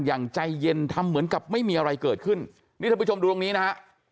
อย่างใจเย็นทำเหมือนกับไม่มีอะไรเกิดขึ้นนี่ท่านผู้ชมดูตรงนี้นะฮะ